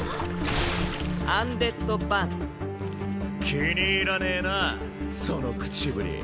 気に入らねぇなその口ぶり。